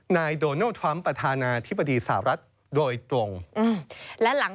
นายโดนัลทรัมป์ประธานาธิบดีสหรัฐโดยตรง